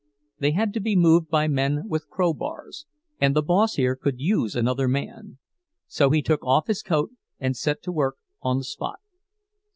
They had to be moved by men with crowbars, and the boss here could use another man. So he took off his coat and set to work on the spot.